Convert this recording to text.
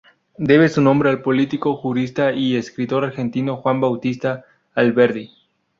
Debe su nombre al político, jurista y escritor argentino, Juan Bautista Alberdi.